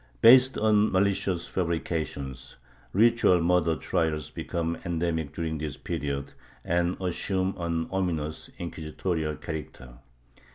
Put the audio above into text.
Based on malicious fabrications, ritual murder trials become endemic during this period, and assume an ominous, inquisitorial character.